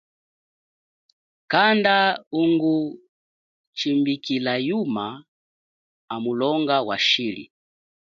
Kanda ungu jimbikila yuma hamulonga wa shili.